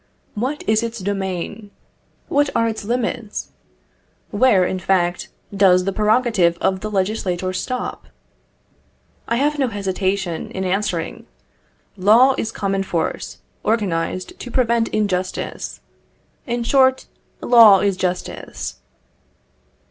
What is its domain? What are its limits? Where, in fact, does the prerogative of the legislator stop? I have no hesitation in answering, Law is common force organised to prevent injustice; in short, Law is Justice.